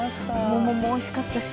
桃もおいしかったし。